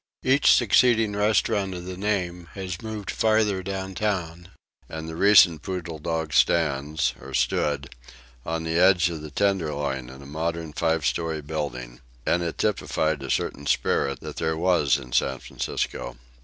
Each succeeding restaurant of the name has moved farther downtown; and the recent Poodle Dog stands or stood on the edge of the Tenderloin in a modern five story building. And it typified a certain spirit that there was in San Francisco.